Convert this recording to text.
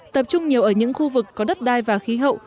tập trung nhiều ở những khu vực có đất đai và khí hậu